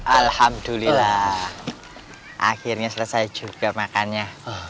alhamdulillah akhirnya selesai juga makannya